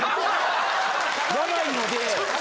ヤバいので。